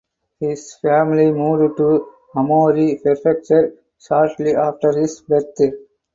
His family moved to Amori prefecture shortly after his birth.